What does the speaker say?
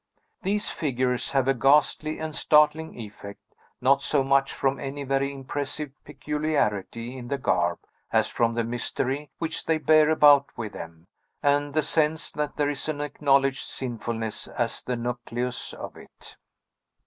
These figures have a ghastly and startling effect, not so much from any very impressive peculiarity in the garb, as from the mystery which they bear about with them, and the sense that there is an acknowledged sinfulness as the nucleus of it.